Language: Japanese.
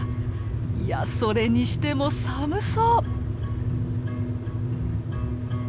いやそれにしても寒そう！